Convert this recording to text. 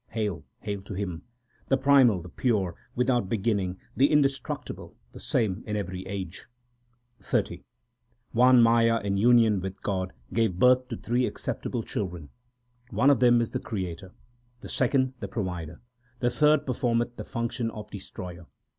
HAIL ! HAIL TO HIM, The primal, the pure, without beginning, the indestruc tible, the same in every age ! XXX One Maya in union with God gave birth to three acceptable children. 4 One of them is the creator, the second the provider, the third performeth the function of destroyer.